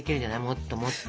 もっともっと。